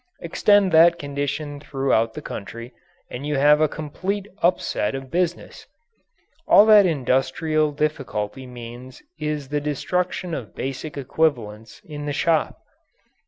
Extend that condition throughout the country, and you have a complete upset of business. All that industrial difficulty means is the destruction of basic equivalents in the shop.